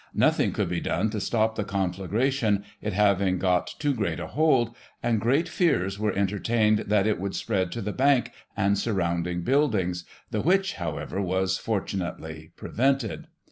Nothing could be done to stop the conflagration, it having got too great a hold, and great fears were entertained that it would spread to the Bank and sur rounding buildings, the which, however, was fortunately prevented.